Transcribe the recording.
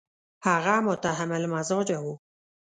هغه متحمل مزاجه وو.